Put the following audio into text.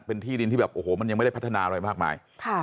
เป็นที่ดินที่แบบโอ้โหมันยังไม่ได้พัฒนาอะไรมากมาย